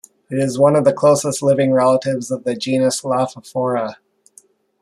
It is one of the closest living relatives of the genus "Lophophora".